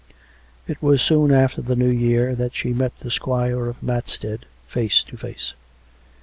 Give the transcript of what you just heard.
... It was soon after the New Year that she met the squire of Matstead face to face.